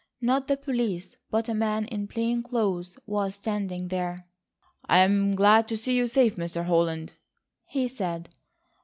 Not the police, but a man in plain clothes was standing there. "I'm glad to see you safe, Mr. Holland," he said.